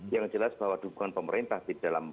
yang jelas bahwa dukungan pemerintah di dalam